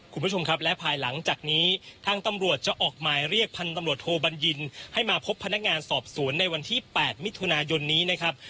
คุณผู้ชมครับและภายหลังจากนี้ทางตำรวจจะออกหมายเรียกพันธุ์ตำรวจโทบัญญินให้มาพบพนักงานสอบสวนในวันที่๘มิถุนายนนี้นะครับ